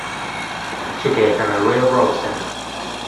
She gave him a real roasting.